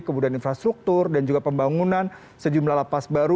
kemudian infrastruktur dan juga pembangunan sejumlah la paz baru